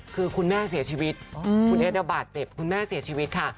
คือคุณแม่เสียชีวิตคุณเอสบาดเจ็บคุณแม่เสียชีวิตค่ะ